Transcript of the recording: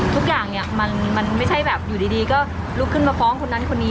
ทุกอย่างเนี่ยมันไม่ใช่แบบอยู่ดีก็ลุกขึ้นมาฟ้องคนนั้นคนนี้